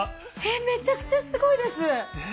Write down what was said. めちゃくちゃすごいです。ねぇ。